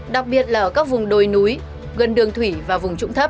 đặc biệt là ở các vùng đồi núi gần đường thủy và vùng trũng thấp